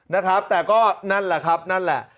นะครับแต่ก็นั่นแหละครับนั่นแหละ